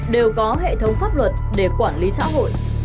đều có hệ thống pháp luật để quản lý xã hội